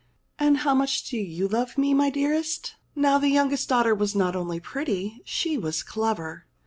"And how much do you love me, my dearest .?" Now the youngest daughter was not only pretty, she was clever.